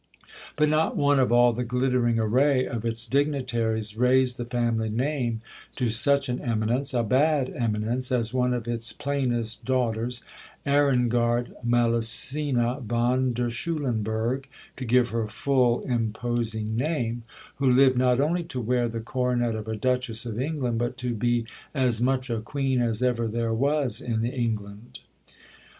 But not one of all the glittering array of its dignitaries raised the family name to such an eminence a bad eminence as one of its plainest daughters, Ehrengard Melusina von der Schulenburg (to give her full, imposing name), who lived not only to wear the coronet of a Duchess of England, but to be "as much a Queen as ever there was in England."